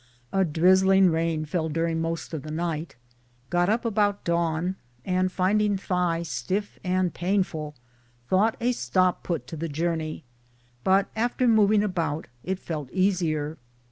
A drizzling rain fell during most of the night. Got up about dawn, and finding thigh stiff and pain ful thought a stop put to the journey, but after mov ing about it felt easier.